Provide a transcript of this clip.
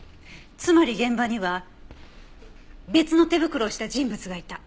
つまり現場には別の手袋をした人物がいた。